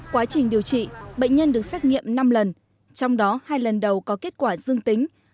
quá trình điều trị bệnh nhân được xét nghiệm năm lần trong đó hai lần đầu có kết quả dương tính